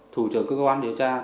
thủ trưởng cơ quan điều tra